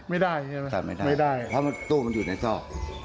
ไม่ได้ใช่ไหมตัดไม่ได้ไม่ได้เพราะตู้มันอยู่ในซอก